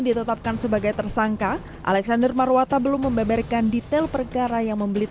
ditetapkan sebagai tersangka alexander marwata belum membeberkan detail perkara yang membelit